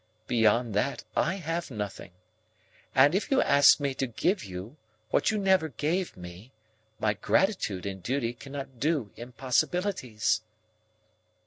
Beyond that, I have nothing. And if you ask me to give you, what you never gave me, my gratitude and duty cannot do impossibilities."